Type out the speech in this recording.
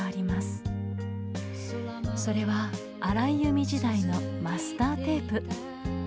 それは荒井由実時代のマスターテープ。